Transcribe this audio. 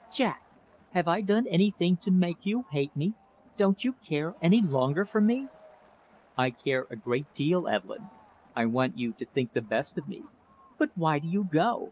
"Jack, have I done anything to make you hate me? Don't you care any longer for me?" "I care a great deal, Evelyn. I want you to think the best of me." "But why do you go?